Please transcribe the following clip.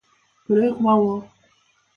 그래, 고마워.